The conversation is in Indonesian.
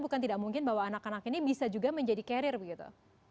bukan tidak mungkin bahwa anak anak ini bisa juga menjadi carrier begitu